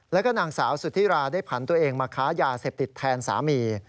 แล้วก็นางสาวสุธิราได้ผันตัวเองมาค้ายาเสพติดแทนสามี